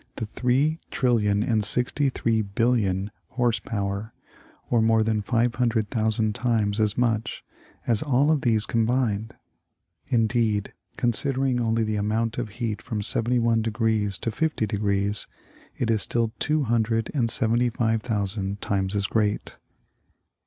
to three trillion and sixty three hillion horse power, or more than five hundred thousand times as much as all of these combined ; indeed, considering only the amount of heat from 71° to 50°, it is still two hundred and seventy five thousand times as great.